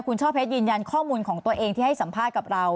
คุณช่อเพชรยืนยันข้อมูลของตัวเองที่ให้สัมภาษณ์กับเรา